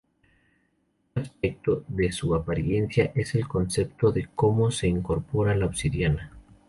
Otro aspecto de su apariencia es el concepto de cómo se incorpora la obsidiana.